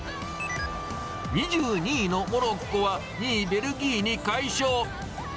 ２２位のモロッコは、２位ベルギーに快勝。